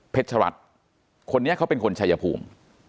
ชรัฐคนนี้เขาเป็นคนชายภูมิ